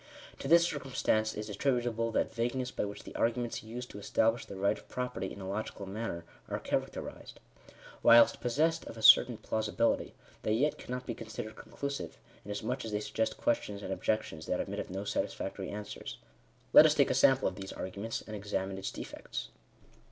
To this circum stance is attributable that vagueness by which the arguments used to establish the right of property in a logical manner, are characterized. Whilst possessed of a certain plausibility, they yet cannot be considered conclusive ; inasmuch as they suggest questions and objections that admit of no satisfactory answers. Let us take a sample of these arguments, and examine its defects.